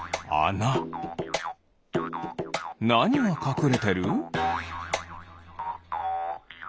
なにがかくれてる？